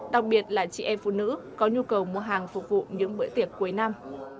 đặc biệt là chị em phụ nữ có nhu cầu mua hàng phục vụ những bữa tiệc cuối năm